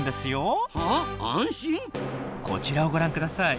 こちらをご覧ください。